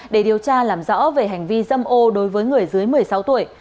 để điều tra làm rõ về hành vi dâm ô đối với người dưới một mươi sáu tuổi